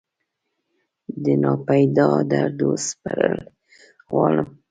دناپیدا دردو سپړل غواړم